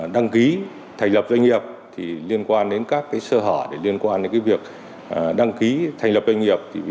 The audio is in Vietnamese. đăng ký thành lập doanh nghiệp liên quan đến các sơ hở để liên quan đến việc đăng ký thành lập doanh nghiệp